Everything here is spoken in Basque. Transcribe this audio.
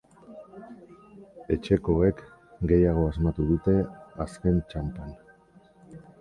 Etxekoek gehiago asmatu dute azken txanpan.